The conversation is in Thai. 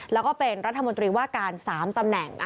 แล้วก็เป็นรัฐมนตรีว่าการ๓ตำแหน่ง